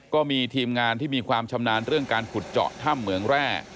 ก็มีทีมงานที่มีความชำนาญเรื่องการขุดเจาะถ้ำเหมืองแร่